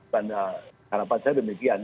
karena harapan saya demikian